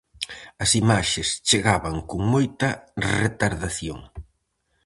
As imaxes chegaban con moita retardación.